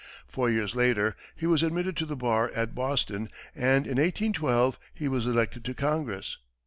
Four years later he was admitted to the bar at Boston, and in 1812 he was elected to Congress.